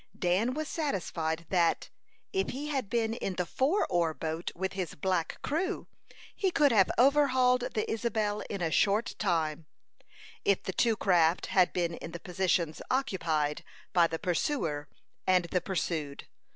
Dan was satisfied that, if he had been in the four oar boat with his black crew, he could have overhauled the Isabel in a short time, if the two craft had been in the positions occupied by the pursuer and the pursued.